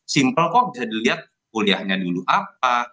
simpel kok bisa dilihat kuliahnya dulu apa